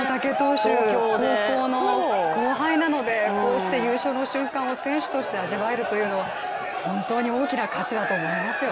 はい、高校の後輩なので、こうした優勝の瞬間を選手として味わえるというのは本当に大きな価値だと思います。